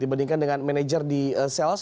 dibandingkan dengan manajer di sales